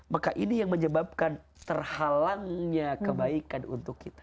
maka ini yang menyebabkan terhalangnya kebaikan untuk kita